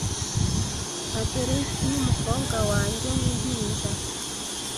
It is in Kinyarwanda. Aderesi yumukobwa wanjye wimpinja